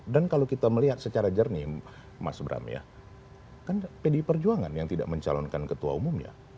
dan kalau kita melihat secara jernih mas bram ya kan pdi perjuangan yang tidak mencalonkan ketua umumnya